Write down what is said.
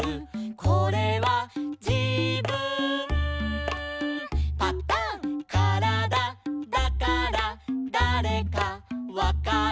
「これはじぶんパタン」「からだだからだれかわかる」